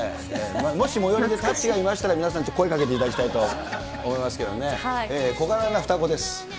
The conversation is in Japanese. もし最寄りで、たっちがいましたら、皆さん、声かけていただきたいと思いますけどね、小柄な双子です。